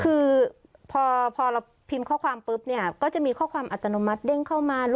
คือพอเราพิมพ์ข้อความปุ๊บเนี่ยก็จะมีข้อความอัตโนมัติเด้งเข้ามา